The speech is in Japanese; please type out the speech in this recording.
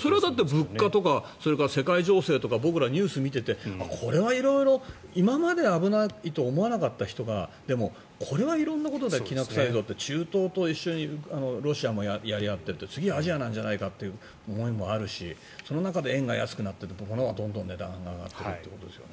それは物価とか世界情勢とか僕ら、ニュースを見ててこれは色々今まで危ないと思わなかった人がでもこれは色んなことできな臭いぞと中東と一緒にロシアもやり合ってる次、アジアなんじゃないかという思いもあるしその中で円が安くなってほかのものは値段が上がっているということですよね。